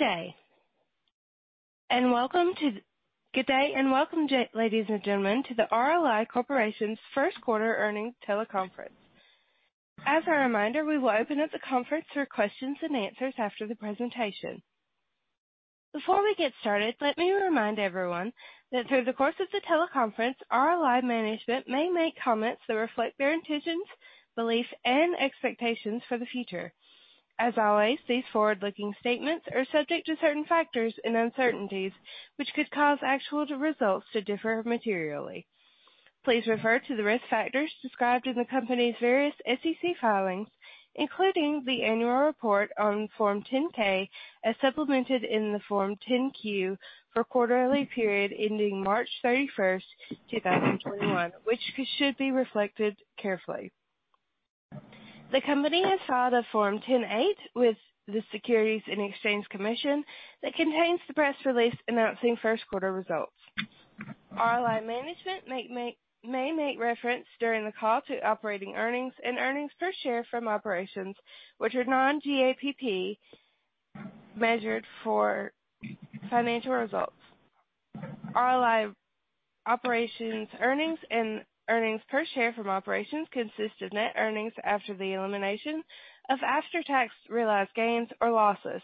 Good day, welcome, ladies and gentlemen, to the RLI Corp.'s first quarter earnings teleconference. As a reminder, we will open up the conference for questions and answers after the presentation. Before we get started, let me remind everyone that through the course of the teleconference, RLI management may make comments that reflect their intentions, beliefs, and expectations for the future. As always, these forward-looking statements are subject to certain factors and uncertainties, which could cause actual results to differ materially. Please refer to the risk factors described in the company's various SEC filings, including the annual report on Form 10-K, as supplemented in the Form 10-Q for quarterly period ending March 31, 2021, which should be reflected carefully. The company has filed a Form 8-K with the Securities and Exchange Commission that contains the press release announcing first quarter results. RLI management may make reference during the call to operating earnings and earnings per share from operations, which are non-GAAP measured for financial results. RLI operating earnings and earnings per share from operations consist of net earnings after the elimination of after-tax realized gains or losses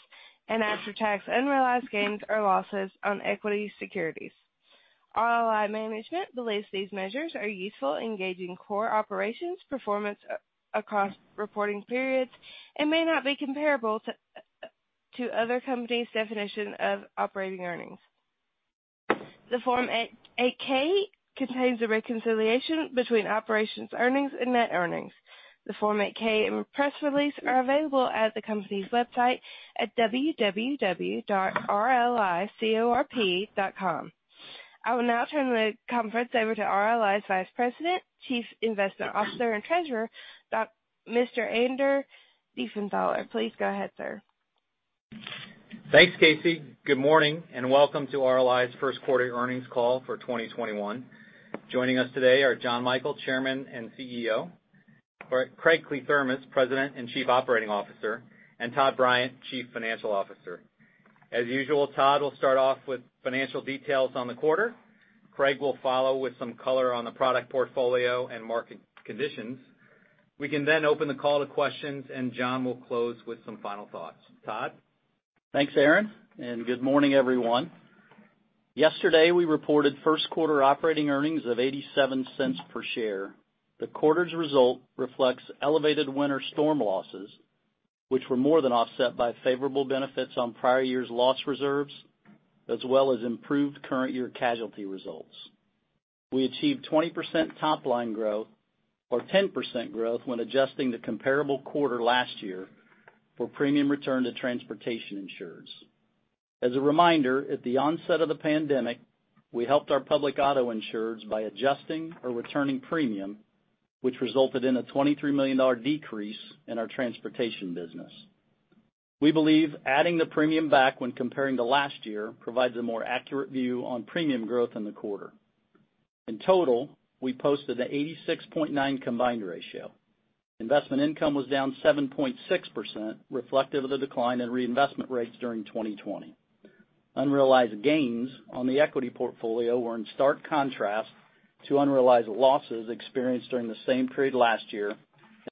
and after-tax unrealized gains or losses on equity securities. RLI management believes these measures are useful in gauging core operating performance across reporting periods and may not be comparable to other companies' definition of operating earnings. The Form 8-K contains a reconciliation between operating earnings and net earnings. The Form 8-K and press release are available at the company's website at www.rlicorp.com. I will now turn the conference over to RLI's Vice President, Chief Investment Officer, and Treasurer, Mr. Aaron Diefenthaler. Please go ahead, sir. Thanks, Casey. Good morning and welcome to RLI's first quarter earnings call for 2021. Joining us today are Jon Michael, Chairman and CEO, Craig Kliethermes, President and Chief Operating Officer, and Todd Bryant, Chief Financial Officer. As usual, Todd will start off with financial details on the quarter. Craig will follow with some color on the product portfolio and market conditions. We can then open the call to questions, and Jon will close with some final thoughts. Todd? Thanks, Aaron. Good morning, everyone. Yesterday, we reported first quarter operating earnings of $0.87 per share. The quarter's result reflects elevated winter storm losses, which were more than offset by favorable benefits on prior year's loss reserves, as well as improved current year casualty results. We achieved 20% top-line growth or 10% growth when adjusting the comparable quarter last year for premium return to transportation insurers. As a reminder, at the onset of the pandemic, we helped our public auto insurers by adjusting or returning premium, which resulted in a $23 million decrease in our transportation business. We believe adding the premium back when comparing to last year provides a more accurate view on premium growth in the quarter. In total, we posted an 86.9 combined ratio. Investment income was down 7.6%, reflective of the decline in reinvestment rates during 2020. Unrealized gains on the equity portfolio were in stark contrast to unrealized losses experienced during the same period last year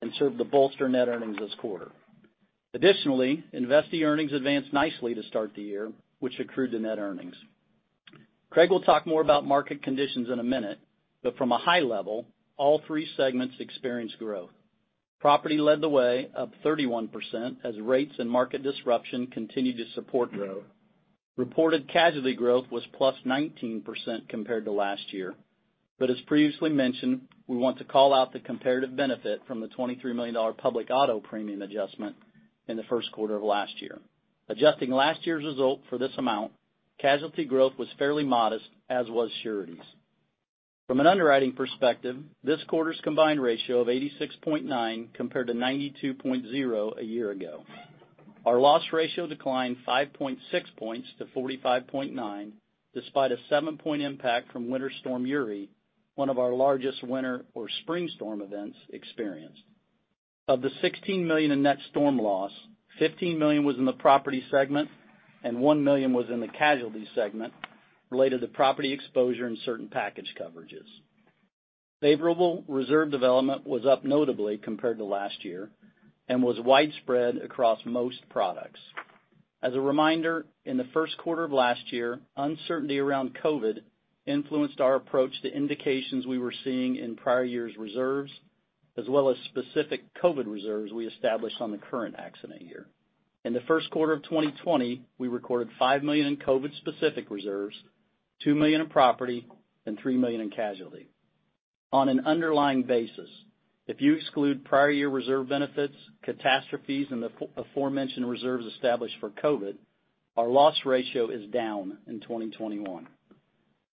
and served to bolster net earnings this quarter. Additionally, investee earnings advanced nicely to start the year, which accrued to net earnings. Craig will talk more about market conditions in a minute. From a high level, all three segments experienced growth. Property led the way, up 31%, as rates and market disruption continued to support growth. Reported casualty growth was +19% compared to last year. As previously mentioned, we want to call out the comparative benefit from the $23 million public auto premium adjustment in the first quarter of last year. Adjusting last year's result for this amount, casualty growth was fairly modest, as was sureties. From an underwriting perspective, this quarter's combined ratio of 86.9 compared to 92.0 a year ago. Our loss ratio declined 5.6 points to 45.9, despite a seven-point impact from Winter Storm Uri, one of our largest winter or spring storm events experienced. Of the $16 million in net storm loss, $15 million was in the property segment and $1 million was in the casualty segment related to property exposure and certain package coverages. Favorable reserve development was up notably compared to last year and was widespread across most products. As a reminder, in the first quarter of last year, uncertainty around COVID influenced our approach to indications we were seeing in prior years' reserves, as well as specific COVID reserves we established on the current accident year. In the first quarter of 2020, we recorded $5 million in COVID-specific reserves, $2 million in property, and $3 million in casualty. On an underlying basis, if you exclude prior year reserve benefits, catastrophes, and the aforementioned reserves established for COVID, our loss ratio is down in 2021.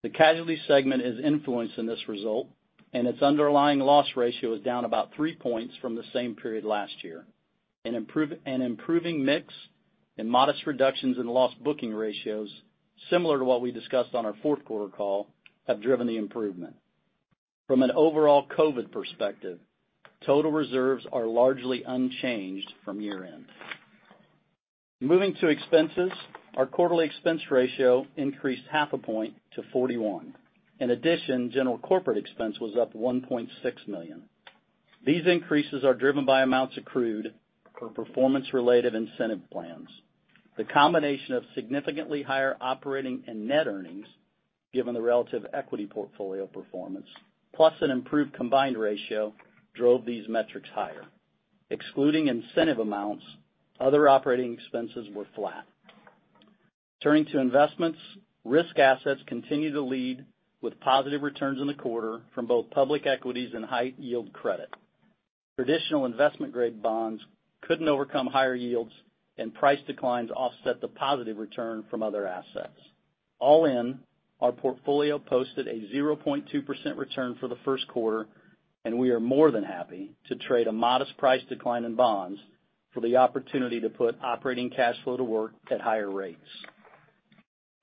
The casualty segment is influenced in this result, and its underlying loss ratio is down about three points from the same period last year. An improving mix and modest reductions in loss booking ratios, similar to what we discussed on our fourth quarter call, have driven the improvement. From an overall COVID perspective, total reserves are largely unchanged from year-end. Moving to expenses, our quarterly expense ratio increased half a point to 41. General corporate expense was up $1.6 million. These increases are driven by amounts accrued for performance-related incentive plans. The combination of significantly higher operating and net earnings, given the relative equity portfolio performance, plus an improved combined ratio, drove these metrics higher. Excluding incentive amounts, other operating expenses were flat. Turning to investments, risk assets continue to lead with positive returns in the quarter from both public equities and high yield credit. Traditional investment-grade bonds couldn't overcome higher yields, and price declines offset the positive return from other assets. All in, our portfolio posted a 0.2% return for the first quarter, and we are more than happy to trade a modest price decline in bonds for the opportunity to put operating cash flow to work at higher rates.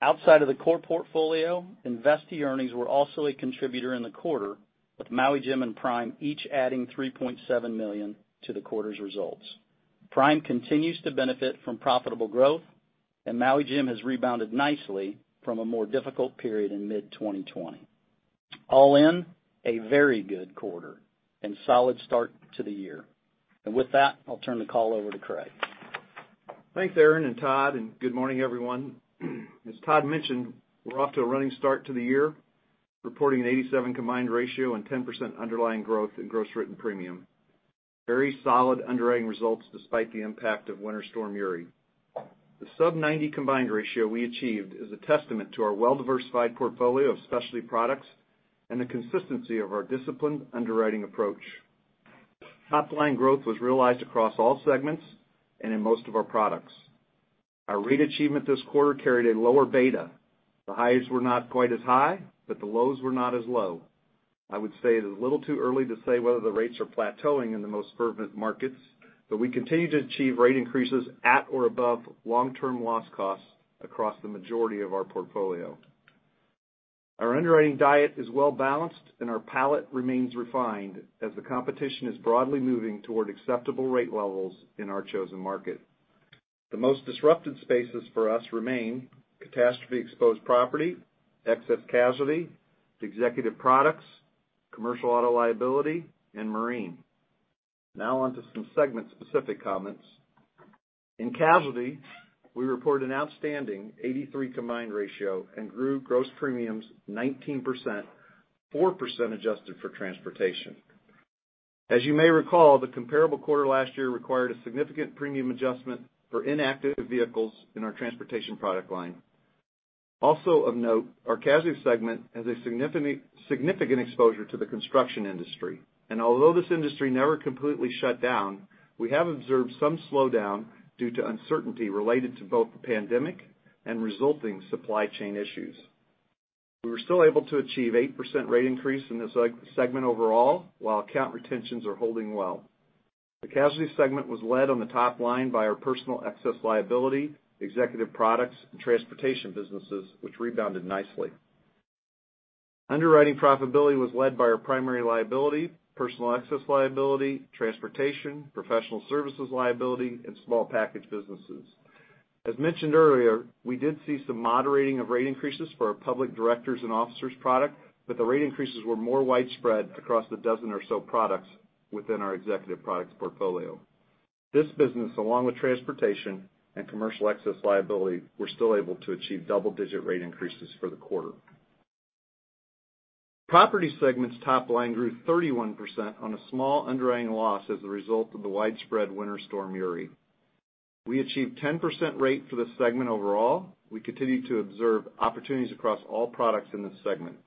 Outside of the core portfolio, investee earnings were also a contributor in the quarter, with Maui Jim and Prime each adding $3.7 million to the quarter's results. Prime continues to benefit from profitable growth, and Maui Jim has rebounded nicely from a more difficult period in mid-2020. All in, a very good quarter and solid start to the year. With that, I'll turn the call over to Craig. Thanks, Aaron and Todd, and good morning, everyone. As Todd mentioned, we're off to a running start to the year, reporting an 87 combined ratio and 10% underlying growth in gross written premium. Very solid underwriting results despite the impact of Winter Storm Uri. The sub-90 combined ratio we achieved is a testament to our well-diversified portfolio of specialty products and the consistency of our disciplined underwriting approach. Top-line growth was realized across all segments and in most of our products. Our rate achievement this quarter carried a lower beta. The highs were not quite as high, but the lows were not as low. I would say it is a little too early to say whether the rates are plateauing in the most fervent markets. We continue to achieve rate increases at or above long-term loss costs across the majority of our portfolio. Our underwriting diet is well-balanced, and our palette remains refined as the competition is broadly moving toward acceptable rate levels in our chosen market. The most disrupted spaces for us remain catastrophe-exposed property, excess casualty, executive products, commercial auto liability, and marine. Now on to some segment-specific comments. In Casualty, we report an outstanding 83 combined ratio and grew gross premiums 19%, 4% adjusted for transportation. As you may recall, the comparable quarter last year required a significant premium adjustment for inactive vehicles in our transportation product line. Also of note, our Casualty segment has a significant exposure to the construction industry, and although this industry never completely shut down, we have observed some slowdown due to uncertainty related to both the pandemic and resulting supply chain issues. We were still able to achieve 8% rate increase in this segment overall, while account retentions are holding well. The casualty segment was led on the top line by our personal excess liability, executive products, and transportation businesses, which rebounded nicely. Underwriting profitability was led by our primary liability, personal excess liability, transportation, professional services liability, and small package businesses. As mentioned earlier, we did see some moderating of rate increases for our public directors' and officers' product, but the rate increases were more widespread across the dozen or so products within our executive products portfolio. This business, along with transportation and commercial excess liability, were still able to achieve double-digit rate increases for the quarter. Property segment's top line grew 31% on a small underwriting loss as a result of the widespread Winter Storm Uri. We achieved 10% rate for the segment overall. We continue to observe opportunities across all products in this segment.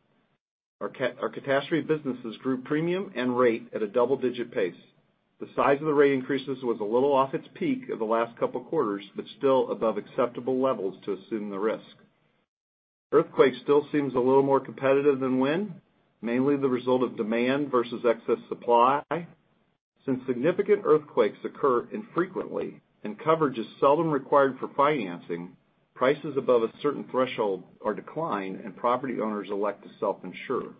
Our catastrophe businesses grew premium and rate at a double-digit pace. The size of the rate increases was a little off its peak in the last couple of quarters, but still above acceptable levels to assume the risk. Earthquake still seems a little more competitive than wind, mainly the result of demand versus excess supply. Since significant earthquakes occur infrequently and coverage is seldom required for financing, prices above a certain threshold are declined, and property owners elect to self-insure.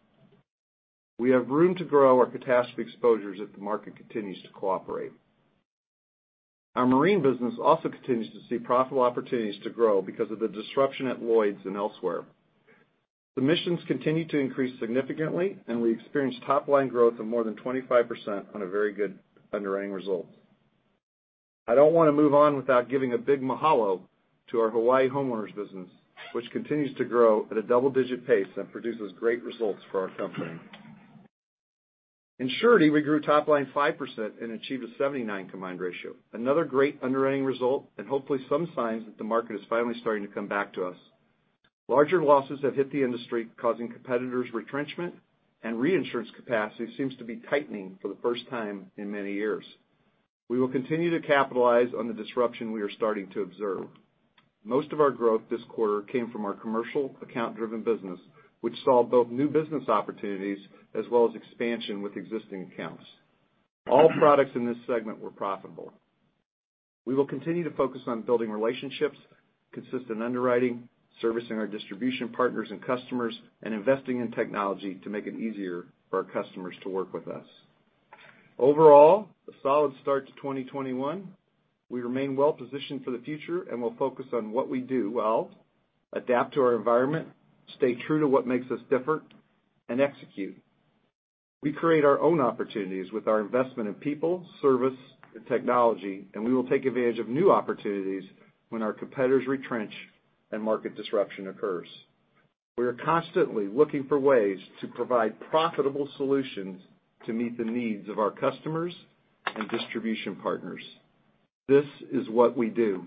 We have room to grow our catastrophe exposures if the market continues to cooperate. Our marine business also continues to see profitable opportunities to grow because of the disruption at Lloyd's and elsewhere. Submissions continue to increase significantly, and we experienced top-line growth of more than 25% on a very good underwriting result. I don't want to move on without giving a big mahalo to our Hawaii homeowners business, which continues to grow at a double-digit pace and produces great results for our company. In Surety, we grew top line 5% and achieved a 79 combined ratio. Another great underwriting result and hopefully some signs that the market is finally starting to come back to us. Larger losses have hit the industry, causing competitors retrenchment and reinsurance capacity seems to be tightening for the first time in many years. We will continue to capitalize on the disruption we are starting to observe. Most of our growth this quarter came from our commercial account-driven business, which saw both new business opportunities as well as expansion with existing accounts. All products in this segment were profitable. We will continue to focus on building relationships, consistent underwriting, servicing our distribution partners and customers, and investing in technology to make it easier for our customers to work with us. Overall, a solid start to 2021. We remain well-positioned for the future, and we'll focus on what we do well, adapt to our environment, stay true to what makes us different, and execute. We create our own opportunities with our investment in people, service, and technology, and we will take advantage of new opportunities when our competitors retrench and market disruption occurs. We are constantly looking for ways to provide profitable solutions to meet the needs of our customers and distribution partners. This is what we do.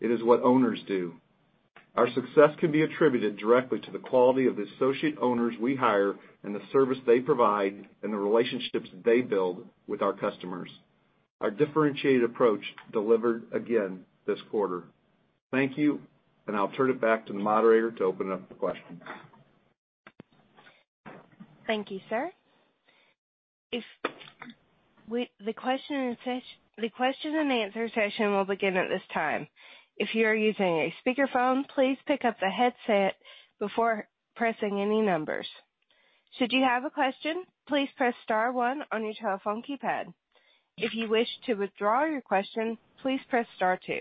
It is what owners do. Our success can be attributed directly to the quality of the associate owners we hire and the service they provide and the relationships they build with our customers. Our differentiated approach delivered again this quarter. Thank you, and I'll turn it back to the moderator to open up the questions. Thank you, sir. The question and answer session will begin at this time. If you are using a speakerphone, please pick up the headset before pressing any numbers. Should you have a question, please press star one on your telephone keypad. If you wish to withdraw your question, please press star two.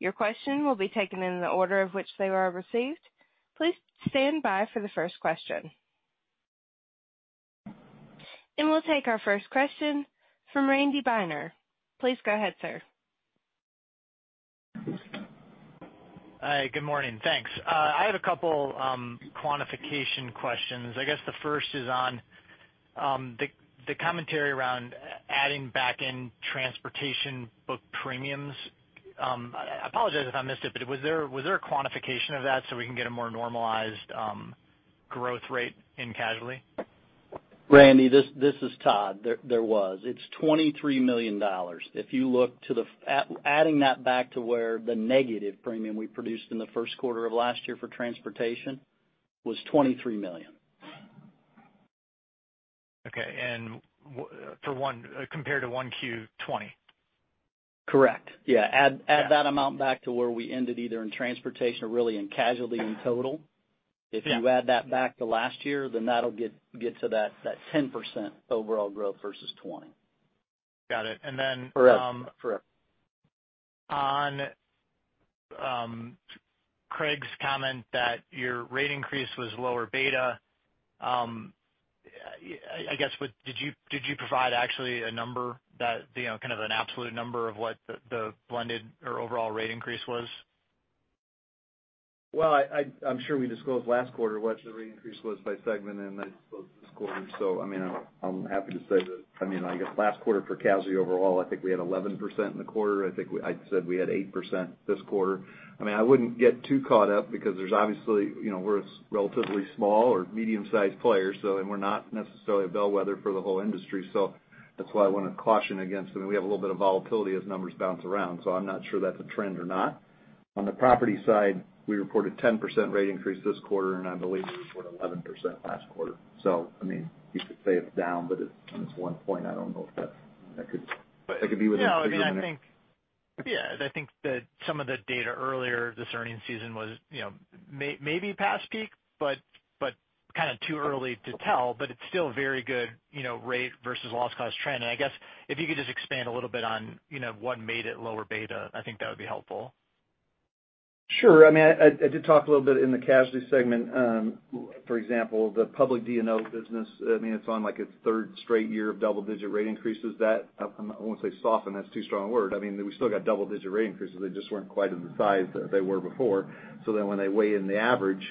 Your question will be taken in the order in which they were received. Please stand by for the first question. We'll take our first question from Randy Binner. Please go ahead, sir. Hi, good morning. Thanks. I have a couple quantification questions. I guess the first is on the commentary around adding back in transportation book premiums. I apologize if I missed it, but was there a quantification of that so we can get a more normalized growth rate in casualty? Randy, this is Todd. It's $23 million. Adding that back to where the negative premium we produced in the first quarter of last year for transportation was $23 million. Okay. compared to 1Q 2020? Correct. Yeah. Add that amount back to where we ended, either in transportation or really in casualty in total. Yeah. If you add that back to last year, then that'll get to that 10% overall growth versus 2020. Got it. Correct. On Craig's comment that your rate increase was lower beta, I guess, did you provide actually a number that, kind of an absolute number of what the blended or overall rate increase was? Well, I'm sure we disclosed last quarter what the rate increase was by segment, and I disclosed this quarter. I'm happy to say that, I guess last quarter for casualty overall, I think we had 11% in the quarter. I think I said we had 8% this quarter. I wouldn't get too caught up because there's obviously, we're a relatively small or medium-sized player, so, and we're not necessarily a bellwether for the whole industry. That's why I want to caution against them. We have a little bit of volatility as numbers bounce around, so I'm not sure that's a trend or not. On the property side, we reported 10% rate increase this quarter, and I believe we reported 11% last quarter. You could say it's down, but it's one point. I don't know if that could be within. No, I think, I think that some of the data earlier this earning season was maybe past peak, but kind of too early to tell, but it's still very good rate versus loss cost trend. I guess if you could just expand a little bit on what made it lower beta, I think that would be helpful. Sure. I did talk a little bit in the casualty segment. For example, the public D&O business, it's on its third straight year of double-digit rate increases. That, I won't say soften, that's too strong a word. We still got double-digit rate increases. When they weigh in the average,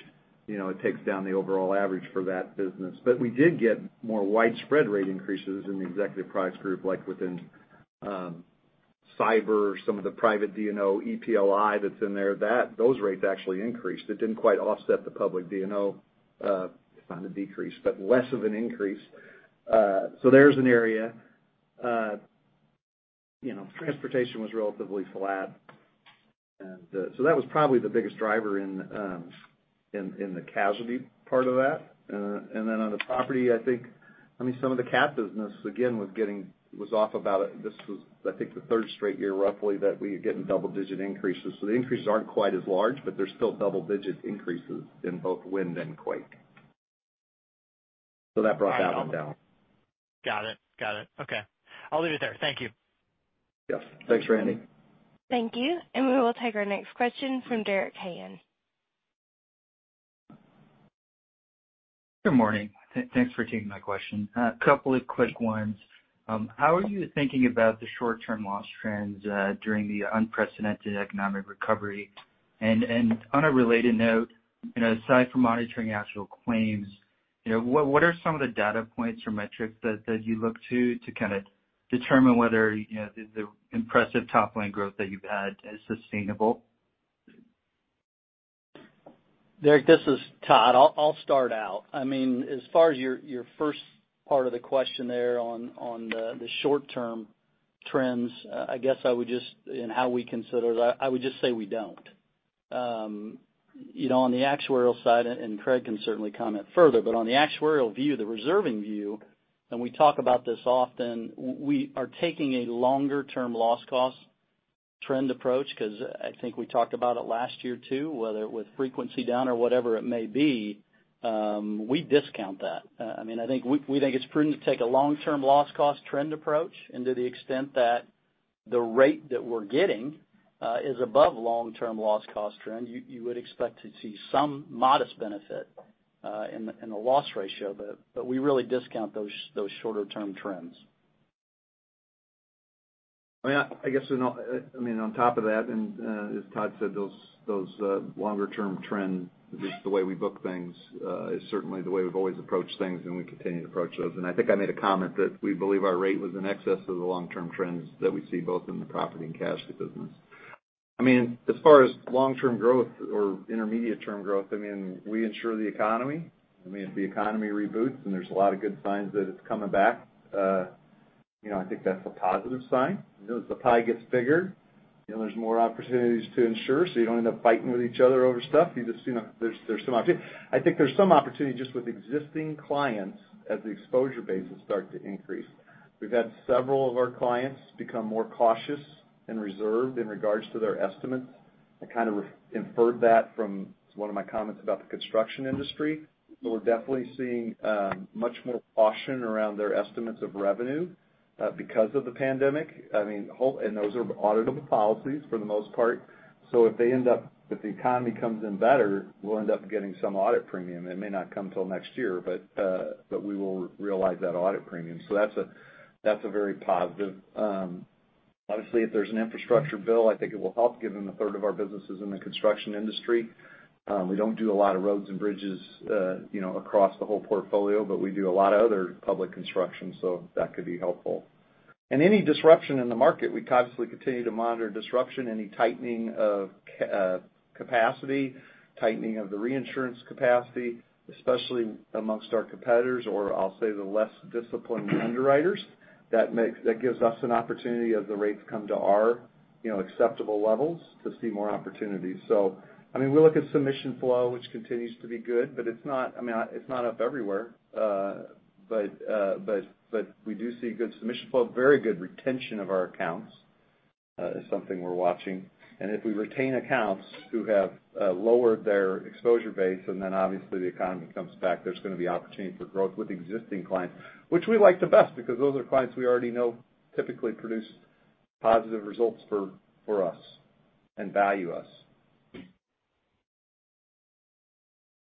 it takes down the overall average for that business. We did get more widespread rate increases in the executive products group, like within cyber, some of the private D&O, EPLI that's in there, those rates actually increased. It didn't quite offset the public D&O on the decrease, but less of an increase. There's an area. Transportation was relatively flat. That was probably the biggest driver in the casualty part of that. On the property, I think some of the cat business, again, was off. This was, I think, the third straight year roughly that we were getting double-digit increases. The increases aren't quite as large, but they're still double-digit increases in both wind and quake. That brought that one down. Got it. Okay. I'll leave it there. Thank you. Yes. Thanks, Randy. Thank you. We will take our next question from [Derek Hagan]. Good morning. Thanks for taking my question. A couple of quick ones. How are you thinking about the short-term loss trends during the unprecedented economic recovery? On a related note, aside from monitoring actual claims, what are some of the data points or metrics that you look to to kind of determine whether the impressive top-line growth that you've had is sustainable? Derek, this is Todd. I'll start out. As far as your first part of the question there on the short-term trends, I guess I would just, and how we consider that, I would just say we don't. On the actuarial side, and Craig can certainly comment further, but on the actuarial view, the reserving view, and we talk about this often, we are taking a longer-term loss cost trend approach, because I think we talked about it last year, too, whether it was frequency down or whatever it may be, we discount that. We think it's prudent to take a long-term loss cost trend approach and to the extent that the rate that we're getting is above long-term loss cost trend, you would expect to see some modest benefit in the loss ratio. We really discount those shorter-term trends. On top of that, and as Todd said, those longer term trends, just the way we book things is certainly the way we've always approached things, and we continue to approach those. I think I made a comment that we believe our rate was in excess of the long-term trends that we see both in the property and casualty business. As far as long-term growth or intermediate term growth, we insure the economy. If the economy reboots and there's a lot of good signs that it's coming back, I think that's a positive sign. As the pie gets bigger, there's more opportunities to insure, so you don't end up fighting with each other over stuff. I think there's some opportunity just with existing clients as the exposure bases start to increase. We've had several of our clients become more cautious and reserved in regards to their estimates. I kind of inferred that from one of my comments about the construction industry. We're definitely seeing much more caution around their estimates of revenue because of the pandemic. Those are auditable policies for the most part. If the economy comes in better, we'll end up getting some audit premium. It may not come till next year, but we will realize that audit premium. That's very positive. Obviously, if there's an infrastructure bill, I think it will help given a third of our business is in the construction industry. We don't do a lot of roads and bridges across the whole portfolio, but we do a lot of other public construction, so that could be helpful. Any disruption in the market, we constantly continue to monitor disruption, any tightening of capacity, tightening of the reinsurance capacity, especially amongst our competitors, or I'll say the less disciplined underwriters. That gives us an opportunity as the rates come to our acceptable levels to see more opportunities. We look at submission flow, which continues to be good, but it's not up everywhere. We do see good submission flow, very good retention of our accounts is something we're watching. If we retain accounts who have lowered their exposure base, and then obviously the economy comes back, there's going to be opportunity for growth with existing clients, which we like the best because those are clients we already know typically produce positive results for us and value us.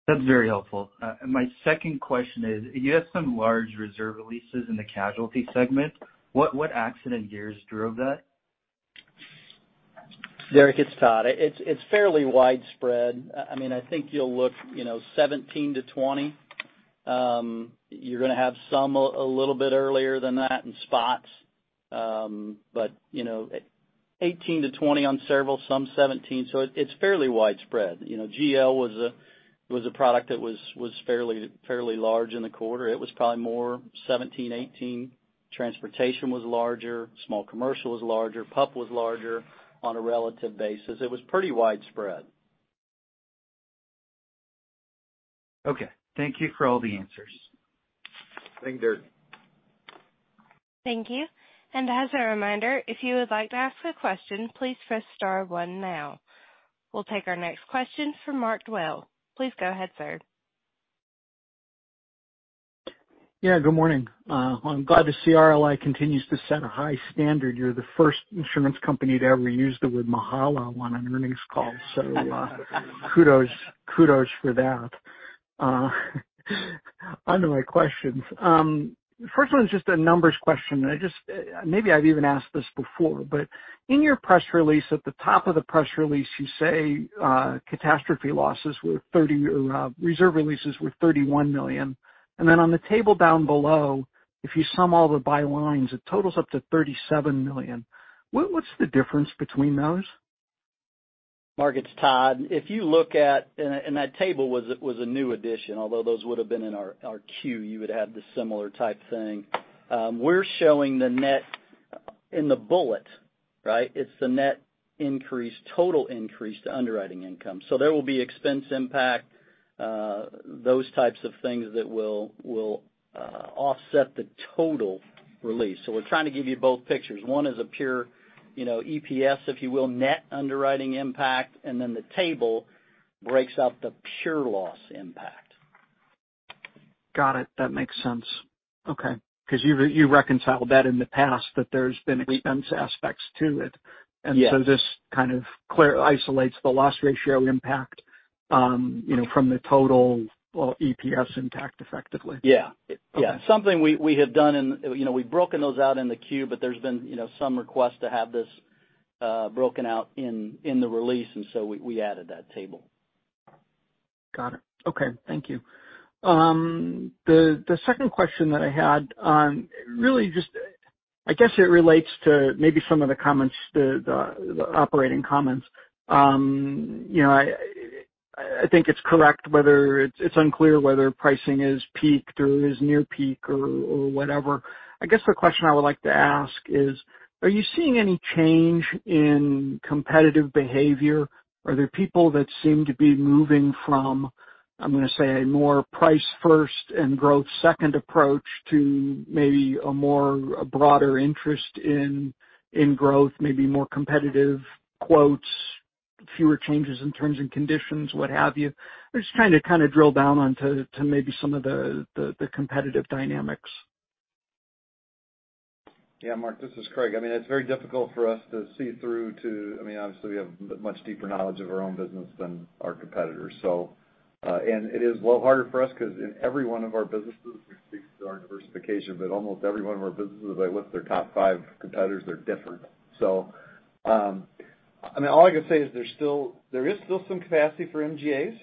That's very helpful. My second question is, you have some large reserve releases in the casualty segment. What accident years drove that? Derek, it's Todd. It's fairly widespread. I think you'll look 17-20. You're going to have some a little bit earlier than that in spots. 18-20 on several, some 17. It's fairly widespread. GL was a product that was fairly large in the quarter. It was probably more 17, 18. Transportation was larger, small commercial was larger, PUP was larger on a relative basis. It was pretty widespread. Okay. Thank you for all the answers. Thank you, Derek Thank you. As a reminder, if you would like to ask a question, please press star one now. We'll take our next question from Mark Dwelle. Please go ahead, sir. Yeah, good morning. I'm glad to see RLI continues to set a high standard. You're the first insurance company to ever use the word mahalo on an earnings call. Kudos for that. On to my questions. First one is just a numbers question. Maybe I've even asked this before, in your press release, at the top of the press release, you say reserve releases were $31 million. On the table down below, if you sum all the by lines, it totals up to $37 million. What's the difference between those? Mark, it's Todd. That table was a new addition, although those would have been in our Q, you would have the similar type thing. We're showing the net in the bullet, right? It's the net increase, total increase to underwriting income. There will be expense impact, those types of things that will offset the total release. We're trying to give you both pictures. One is a pure EPS, if you will, net underwriting impact, and then the table breaks out the pure loss impact Got it. That makes sense. Okay. You reconciled that in the past, but there's been expense aspects to it. Yes. This kind of isolates the loss ratio impact from the total EPS impact effectively. Yeah. Okay. Yeah. Something we have done, and we've broken those out in the Q, but there's been some requests to have this broken out in the release, and so we added that table. Got it. Okay. Thank you. The second question that I had, I guess it relates to maybe some of the operating comments. I think it's correct whether it's unclear whether pricing has peaked or is near peak or whatever. I guess the question I would like to ask is, are you seeing any change in competitive behavior? Are there people that seem to be moving from, I'm going to say, a more price first and growth second approach to maybe a more broader interest in growth, maybe more competitive quotes, fewer changes in terms and conditions, what have you? I'm just trying to kind of drill down on to maybe some of the competitive dynamics. Yeah, Mark, this is Craig. It's very difficult for us to see through. Obviously we have much deeper knowledge of our own business than our competitors. It is a little harder for us because in every one of our businesses, we speak to our diversification, but almost every one of our businesses, if I list their top five competitors, they're different. All I can say is there is still some capacity for MGAs.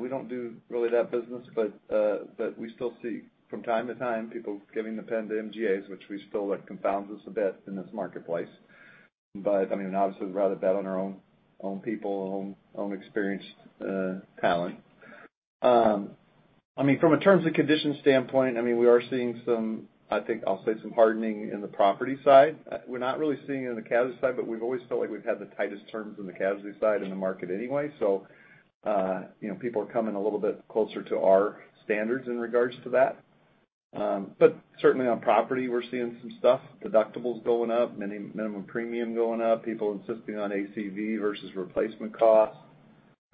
We don't do really that business, but we still see from time to time, people giving the pen to MGAs, which it confounds us a bit in this marketplace. Obviously, we'd rather bet on our own people, own experienced talent. From a terms and conditions standpoint, we are seeing some, I think I'll say, some hardening in the property side. We're not really seeing it in the casualty side. We've always felt like we've had the tightest terms in the casualty side in the market anyway. People are coming a little bit closer to our standards in regards to that. Certainly on property, we're seeing some stuff, deductibles going up, minimum premium going up, people insisting on ACV versus replacement costs,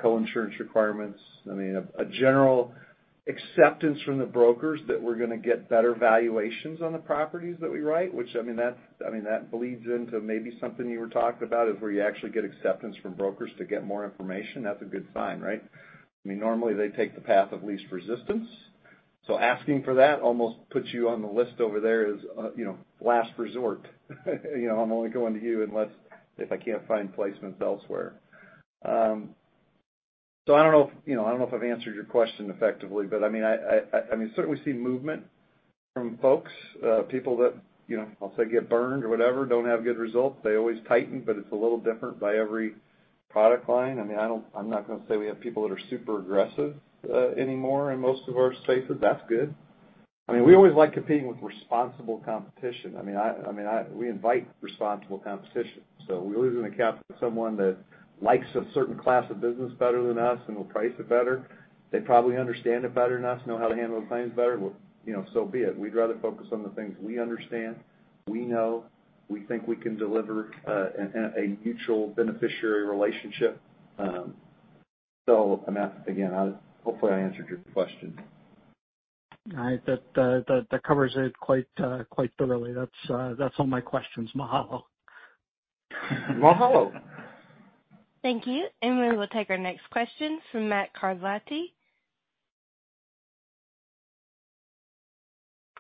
co-insurance requirements. A general acceptance from the brokers that we're going to get better valuations on the properties that we write, which that bleeds into maybe something you were talking about, is where you actually get acceptance from brokers to get more information. That's a good sign, right? Normally they take the path of least resistance, asking for that almost puts you on the list over there as last resort. I'm only going to you unless if I can't find placements elsewhere. I don't know if I've answered your question effectively, but I certainly see movement from folks, people that, I'll say get burned or whatever, don't have good results. They always tighten, it's a little different by every product line. I'm not going to say we have people that are super aggressive anymore in most of our spaces. That's good. We always like competing with responsible competition. We invite responsible competition. We lose an account to someone that likes a certain class of business better than us and will price it better, they probably understand it better than us, know how to handle claims better, so be it. We'd rather focus on the things we understand, we know, we think we can deliver a mutual beneficiary relationship. Again, hopefully I answered your question. All right. That covers it quite thoroughly. That's all my questions. Mahalo. Mahalo. Thank you. We will take our next question from Matt Carletti.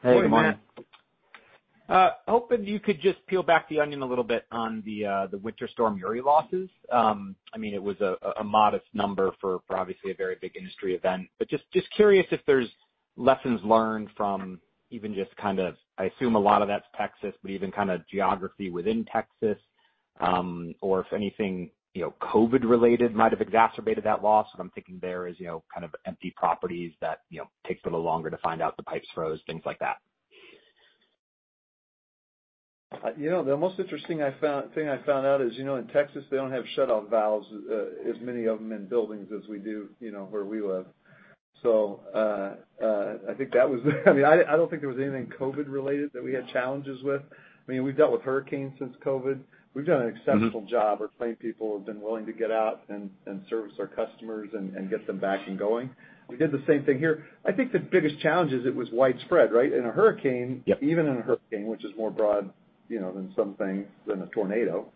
Hey, Matt. Hoping you could just peel back the onion a little bit on the Winter Storm Uri losses. It was a modest number for obviously a very big industry event. Just curious if there's lessons learned from even just kind of, I assume a lot of that's Texas, but even kind of geography within Texas, or if anything COVID related might have exacerbated that loss. What I'm thinking there is kind of empty properties that takes a little longer to find out the pipes froze, things like that. The most interesting thing I found out is, in Texas, they don't have shutoff valves, as many of them in buildings as we do where we live. I don't think there was anything COVID related that we had challenges with. We've dealt with hurricanes since COVID. We've done an exceptional job. Our claim people have been willing to get out and service our customers and get them back and going. We did the same thing here. I think the biggest challenge is it was widespread, right? In a hurricane- Yep even in a hurricane, which is more broad than something, than a tornado.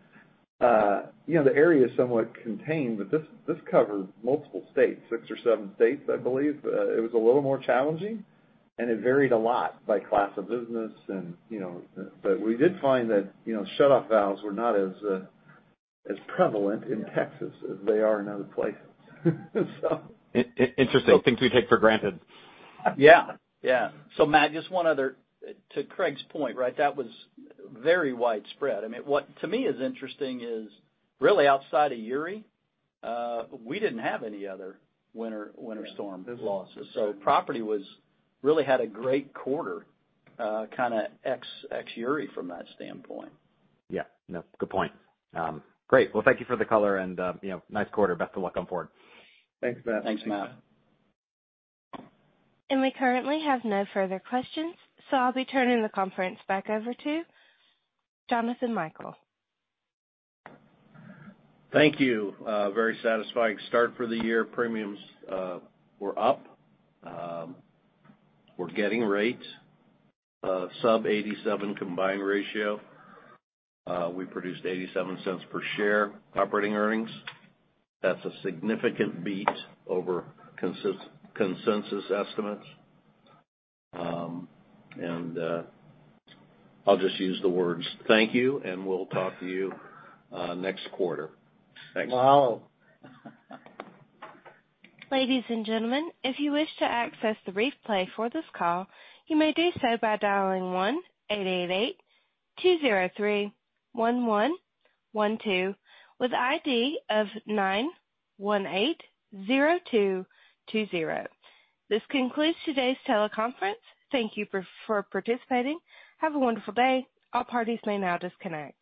The area is somewhat contained, but this covered multiple states, six or seven states, I believe. It was a little more challenging, and it varied a lot by class of business. We did find that shutoff valves were not as prevalent in Texas as they are in other places. So. Interesting. Things we take for granted. Yeah. Matt, just one other, to Craig's point, right? That was very widespread. What to me is interesting is really outside of Uri, we didn't have any other winter storm losses. Property really had a great quarter kind of ex Uri from that standpoint. Yeah. No, good point. Great. Well, thank you for the color and nice quarter. Best of luck going forward. Thanks, Matt. Thanks, Matt. We currently have no further questions, so I'll be turning the conference back over to Jonathan Michael. Thank you. A very satisfying start for the year. Premiums were up. We're getting rates, sub 87 combined ratio. We produced $0.87 per share operating earnings. That's a significant beat over consensus estimates. I'll just use the words thank you, and we'll talk to you next quarter. Thanks. Mahalo. This concludes today's teleconference. Thank you for participating. Have a wonderful day. All parties may now disconnect.